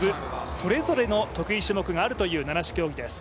それぞれの得意種目があるという七種競技です。